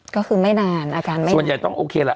ก็คือไม่นานส่วนใหญ่ต้องโอเคละ